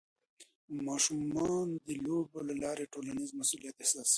ماشومان د لوبو له لارې ټولنیز مسؤلیت احساسوي.